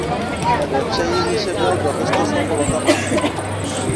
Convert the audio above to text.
ব্যবসায়ী হিসেবেও যথেষ্ট সফলতা পান।